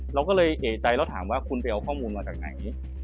เราก็เลยเอกใจแล้วถามว่าคุณไปเอาข้อมูลมาจากไหน